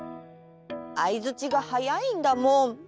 あいづちがはやいんだもん。